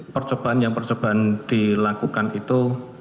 percobaan yang dilakukan itu